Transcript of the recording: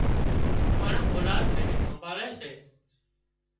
پڻ اولاد نين همڀاۯي سي